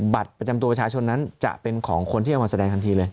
บัตรประจำตัวประชาชนนั้นจะเป็นของคนที่เอามาแสดงทันทีเลย